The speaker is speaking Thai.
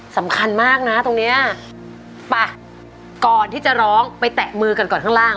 สำคัญมากนะตรงเนี้ยป่ะก่อนที่จะร้องไปแตะมือกันก่อนข้างล่าง